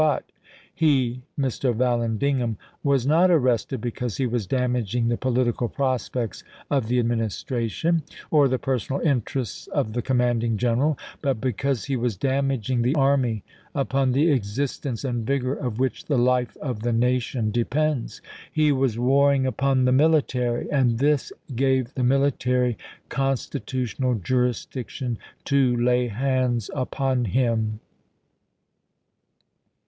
But ... he [Mr. Vallan digham] was not arrested because he was damaging the political prospects of the Administration, or the personal interests of the commanding general, but because he was damaging the army, upon the existence and vigor of which the life of the nation depends. He was warring VALLANDIGHAM 347 upon the military, and this gave the military constitu chap. xii. tional jurisdiction to lay hands upon him.